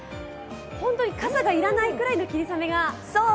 本当に傘がいらないぐらいの霧雨が。